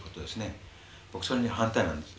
僕それに反対なんです。